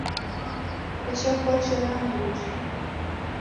Kochokocho ra mburi.